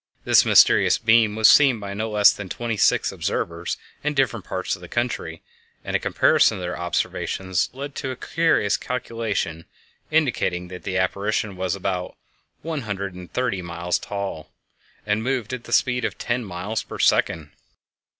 This mysterious beam was seen by no less than twenty six observers in different parts of the country, and a comparison of their observations led to a curious calculation indicating that the apparition was about one hundred and thirty three miles tall and moved at the speed of ten miles per second!